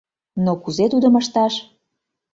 Но кузе тудым ышташ?